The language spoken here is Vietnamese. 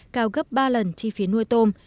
cao gấp ba lần chi phí nuôi tôm